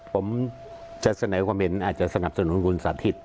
ผมจะเสนอความเห็นอาจจะสนับสนุนคุณสาธิต